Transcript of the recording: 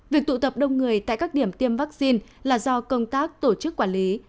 việc tụ tập đông người tại các điểm tiêm vaccine là do công tác tổ chức quản lý